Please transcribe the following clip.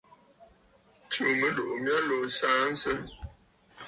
Tsùù mɨlùʼù mya lǒ saansə!